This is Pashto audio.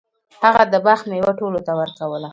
هغه د باغ میوه ټولو ته ورکوله.